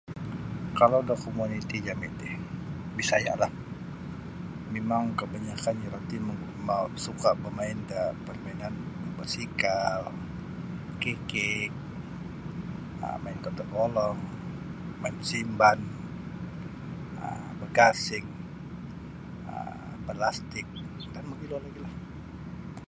Kalau da komuniti jami' ti Bisaya'lah mimang kabanyakan iro ti mau' suka' bamain da parmainan basikal kikik um main koto golong main simban um bagasing um balastik dan mogilo lagi'lah.